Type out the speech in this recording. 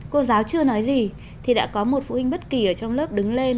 cô giáo chưa nói gì thì đã có một phụ huynh bất kỳ ở trong lớp đứng lên